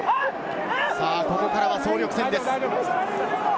ここからは総力戦です。